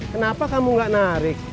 kenapa kamu gak narik